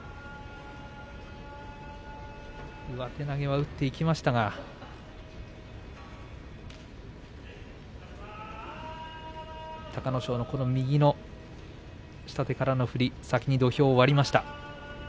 上手投げは打っていきましたが隆の勝の右の下手からの振り先に土俵を割りました。